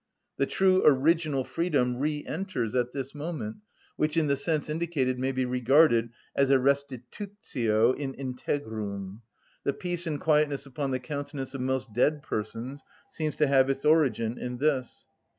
The true original freedom re‐enters at this moment, which, in the sense indicated, may be regarded as a restitutio in integrum. The peace and quietness upon the countenance of most dead persons seems to have its origin in this.